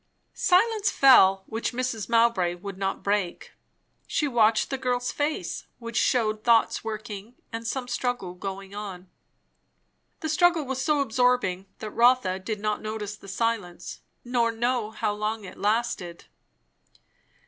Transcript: Silence fell, which Mrs. Mowbray would not break. She watched the girl's face, which shewed thoughts working and some struggle going on. The struggle was so absorbing, that Rotha did not notice the silence, nor know how long it lasted.